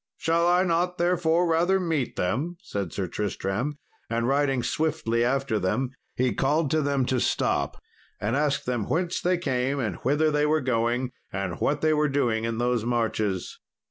"Shall I not therefore rather meet them?" said Sir Tristram, and, riding swiftly after them, he called to them to stop, and asked them whence they came, and whither they were going, and what they were doing in those marches.